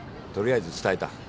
取りあえず伝えた。